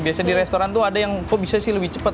biasanya di restoran tuh ada yang kok bisa sih lebih cepat